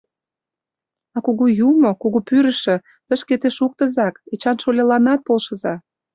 А кугу юмо, кугу пӱрышӧ, тышке те шуктызак, Эчан шольыланат полшыза.